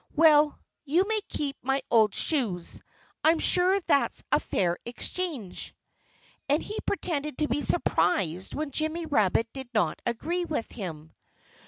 "Well, you may keep my old shoes. I'm sure that's a fair exchange." And he pretended to be surprised when Jimmy Rabbit did not agree with him.